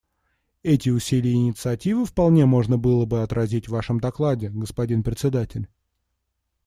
Эти усилия и инициативы вполне можно было бы отразить в Вашем докладе, господин Председатель.